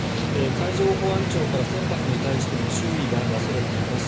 海上保安庁から船舶に対しての注意が出されています。